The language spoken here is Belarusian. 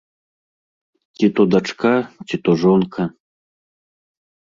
Ці то дачка, ці то жонка.